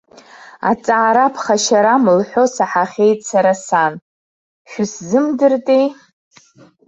Аҵаара ԥхашьарам лҳәо саҳахьеит сара сан, шәысзымдыртеи?